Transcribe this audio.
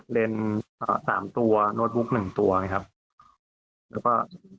เล่นอ่าสามตัวโน้ตบุ๊กหนึ่งตัวไงครับแล้วก็